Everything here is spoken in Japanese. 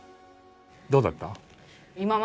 どうだった？